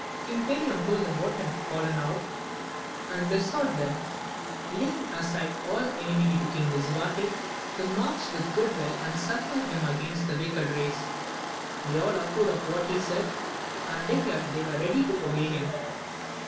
King Perion told them what had fallen out, and be 222 AMADIS OF GAUL sought them, laying aside all enmity to King Lisuarte, to march with good will and succour him against that wicked race. They all approved of what he said, and declared they were ready to obey him.